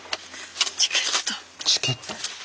チケット？